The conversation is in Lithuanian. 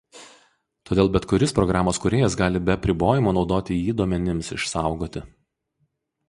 Todėl bet kuris programos kūrėjas gali be apribojimų naudoti jį duomenims išsaugoti.